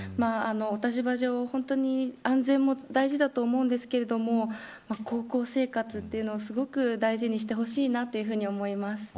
お立場上、本当に安全も大事だと思うんですけれども高校生活というのをすごく大事にしてほしいなと思います。